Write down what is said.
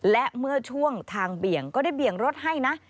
และเมื่อช่วงทางเบี่ยงก็ได้เบี่ยงรถให้นะ